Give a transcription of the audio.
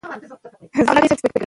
که نقشه وي نو ځای نه ورکېږي.